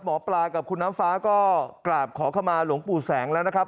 หมอปลากับคุณน้ำฟ้าก็กราบขอขมาหลวงปู่แสงแล้วนะครับ